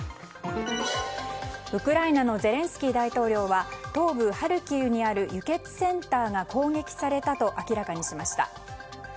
ウクライナのゼレンスキー大統領は東部ハルキウにある輸血センターが攻撃されたと明らかにしました。